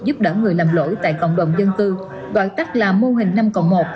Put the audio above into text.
giúp đỡ người lầm lỗi tại cộng đồng dân tư gọi tắt là mô hình năm cộng một